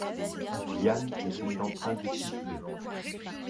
Yann était en train de siffler.